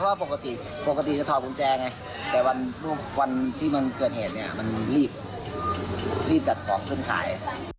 เพราะปกติธอมแค่วันที่มันเกิดเหตุมันรีบจัดของขึ้นขาย